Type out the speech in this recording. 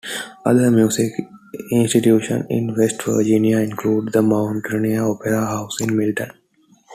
Other music institutions in West Virginia include the Mountaineer Opera House in Milton.